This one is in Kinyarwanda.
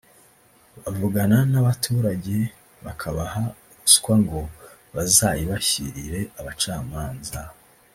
bavugana n’abaturage bakabaha ruswa ngo bazayibashyirire abacamanza